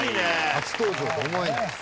初登場と思えない。